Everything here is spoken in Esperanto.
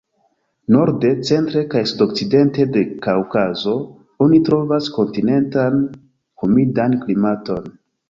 Norde, centre kaj sudokcidente de Kaŭkazo oni trovas kontinentan humidan klimaton.